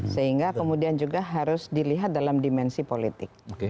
sehingga kemudian juga harus dilihat dalam dimensi politik